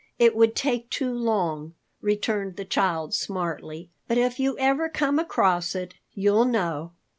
It would take too long," returned the child smartly, "but if you ever come across it, you'll know.